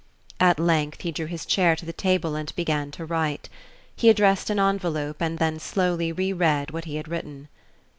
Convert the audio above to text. At length he drew his chair to the table and began to write. He addressed an envelope and then slowly re read what he had written.